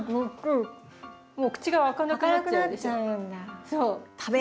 もう口が開かなくなっちゃうでしょ。